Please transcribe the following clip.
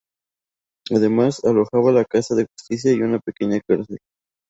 Además, alojaba la casa de justicia y una pequeña cárcel.